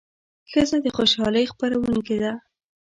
ښځه د خوشالۍ خپروونکې ده.